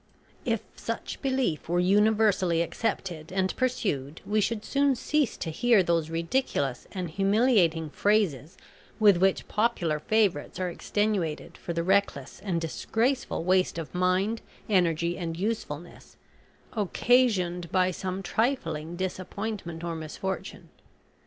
If such belief were universally accepted and pursued, we should soon cease to hear those ridiculous and humiliating phrases with which popular favourites are extenuated for the reckless and disgraceful waste of mind, energy, and usefulness, occasioned by some trifling disappointment or misfortune.